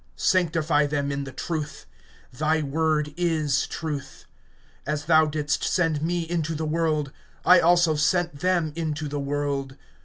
(17)Sanctify them in the truth; thy word is truth. (18)As thou didst send me into the world, I also sent them into the world.